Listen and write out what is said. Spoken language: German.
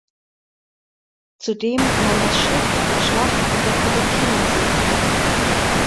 Zudem nahm das Schiff an der Schlacht in der Philippinensee teil.